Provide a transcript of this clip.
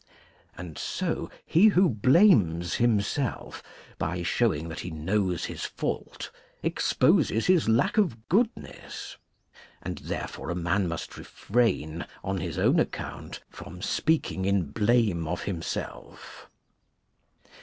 And so he who blames [^403 himself, by showing that he knows his fault, exposes his lack of goodness. And, therefore, a man must refrain, on its own account, from speaking in blame of himself.